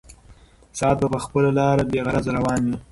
ساعت به په خپله لاره بېغرضه روان وي.